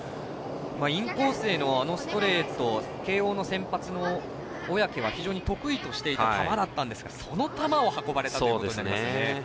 インコースへのあのストレート、慶応の先発の小宅は得意としていた球だったんですがその球を運ばれたということになるんですね。